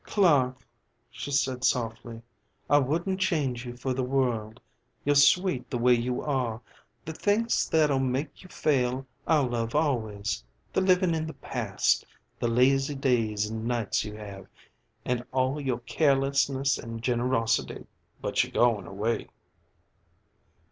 "Clark," she said softly, "I wouldn't change you for the world. You're sweet the way you are. The things that'll make you fail I'll love always the living in the past, the lazy days and nights you have, and all your carelessness and generosity." "But you're goin' away?"